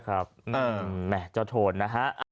ครับเจ้าโทนนะ